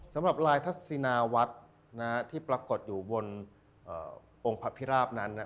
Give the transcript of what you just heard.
สำหรับลายธักษินาวัดนะครับที่ปรากฏอยู่บนองค์พระภิราพนั้นนะ